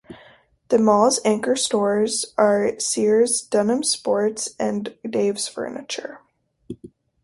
The mall's anchor stores are Sears, Dunham's Sports, and Dave's Furniture.